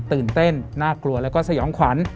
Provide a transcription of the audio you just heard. ตื่นเต้นน่ากลัวแล้วก็สยองขวัญ